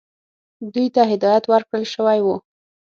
دوی ته هدایت ورکړل شوی وو.